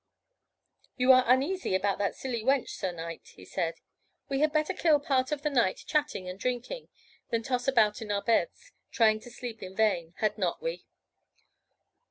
"You are uneasy about that silly wench, Sir Knight," said he, "and we had better kill part of the night chatting and drinking, than toss about in our beds, trying to sleep in vain. Had not we?"